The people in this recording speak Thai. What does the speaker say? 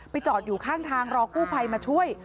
จอดอยู่ข้างทางรอกู้ภัยมาช่วย